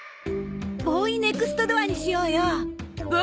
ボーイ・ネクスト・ドアにしようよ。